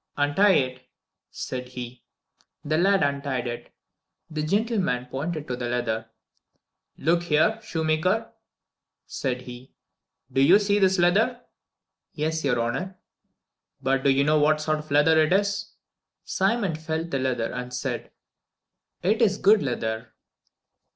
"Untie it," said he. The lad untied it. The gentleman pointed to the leather. "Look here, shoemaker," said he, "do you see this leather?" "Yes, your honor." "But do you know what sort of leather it is?" Simon felt the leather and said, "It is good leather."